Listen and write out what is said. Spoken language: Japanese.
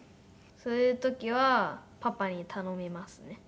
そういう時はパパに頼みますね。